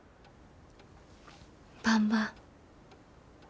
ばんば。